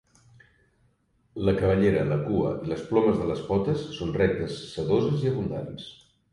La cabellera, la cua i les plomes de les potes són, rectes, sedoses i abundants.